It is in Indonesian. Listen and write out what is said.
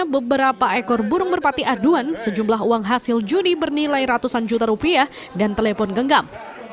beberapa ekor burung merpati aduan sejumlah uang hasil juni bernilai ratusan juta rupiah dan telepon genggam